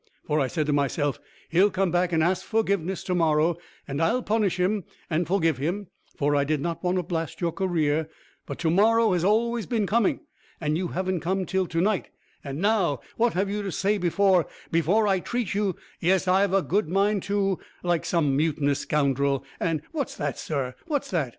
For I said to myself, `He'll come back and ask forgiveness to morrow, and I'll punish him and forgive him,' for I did not want to blast your career. But to morrow has always been coming, and you haven't come till to night. And now, what have you to say before before I treat you yes, I've a good mind to like some mutinous scoundrel, and What's that, sir, what's that?